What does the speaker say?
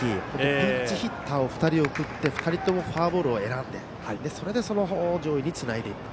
ピンチヒッターを２人送って２人ともフォアボールを選んでそれで上位につないで。